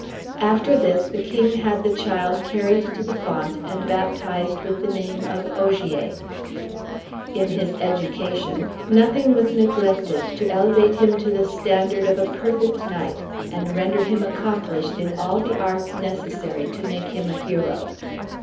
After this the king had the child carried to the font and baptized with the name of Ogier. In his education nothing was neglected to elevate him to the standard of a perfect knight, and render him accomplished in all the arts necessary to make him a hero.